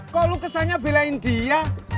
kok lu kesannya belain dia